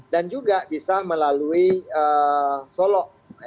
dan juga bisa melalui solo